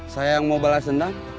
saya yang mau balas dendam